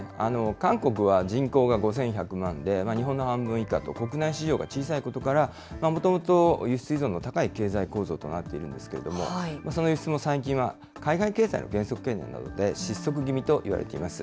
韓国は人口が５１００万で、日本の半分以下と、国内市場が小さいことから、もともと輸出依存の高い経済構造となっているんですけれども、その輸出も最近は、海外経済の減速懸念などで失速気味といわれています。